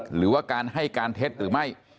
หรือว่าการให้การเท็จหรือไม่